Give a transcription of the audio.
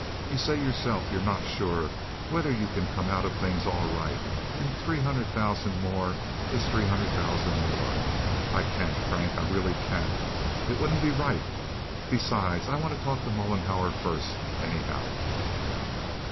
You say yourself you're not sure whether you can come out of things all right, and three hundred thousand more is three hundred thousand more. I can't, Frank. I really can't. It wouldn't be right. Besides, I want to talk to Mollenhauer first, anyhow."